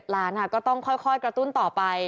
ล้านค่ะก็ต้องค่อยกระตุ้นต่อไป